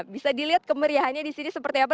bisa dilihat kemeriahannya di sini seperti apa